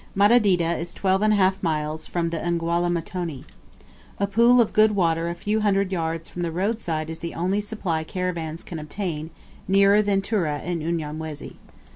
Madedita is twelve and a half miles from the Nghwhalah Mtoni. A pool of good water a few hundred yards from the roadside is the only supply caravans can obtain, nearer than Tura in Unyamwezi.